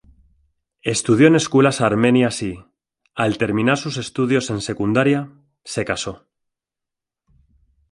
Estudió en escuelas armenias y, al terminar sus estudios en secundaria, se casó.